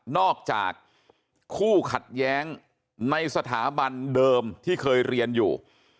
อกจากคู่ขัดแย้งในสถาบันเดิมที่เคยเรียนอยู่